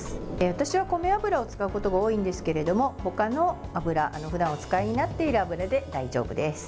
私は米油を使うことが多いんですがほかの油ふだんお使いになっている油で大丈夫です。